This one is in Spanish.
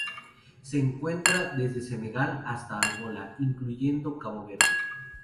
Se encuentra desde Senegal hasta Angola, incluyendo Cabo Verde.